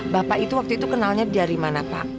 bapak itu waktu itu kenalnya dari mana pak